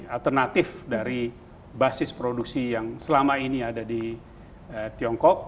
alternatif dari basis produksi yang selama ini ada di tiongkok